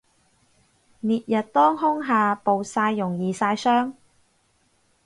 烈日當空下暴曬容易曬傷